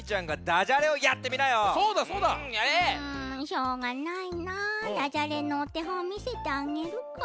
ダジャレのおてほんをみせてあげるか。